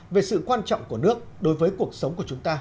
về sự quan trọng của nước đối với cuộc sống của chúng ta